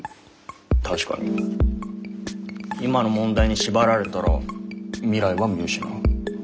確かに今の問題に縛られたら未来は見失う。